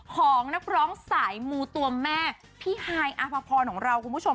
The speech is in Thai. ของนักร้องสายมูตัวแม่พี่ฮายอภพรของเราคุณผู้ชม